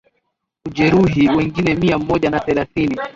ujeruhi wengine mia moja na thelathini